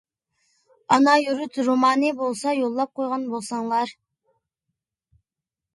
ئانا يۇرت رومانى بولسا يوللاپ قويغان بولساڭلا!